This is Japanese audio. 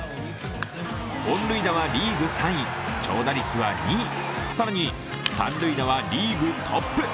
本塁打はリーグ３位、長打率は２位、更に三塁打はリーグトップ。